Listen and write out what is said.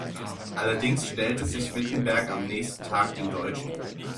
Allerdings stellte sich Wittenberg am nächsten Tag den Deutschen.